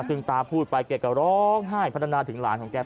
ซึ่งตาพูดไปแกก็ร้องไห้พัฒนาถึงหลานของแก